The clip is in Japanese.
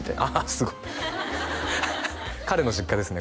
すごい彼の実家ですね